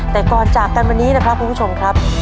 แต่ก่อนจากกันวันนี้นะครับคุณผู้ชมครับ